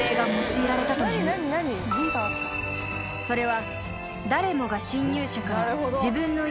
［それは］